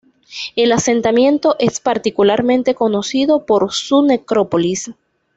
El asentamiento es particularmente conocido por su necrópolis.